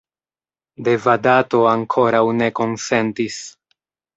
Devadato ankoraŭ ne konsentis.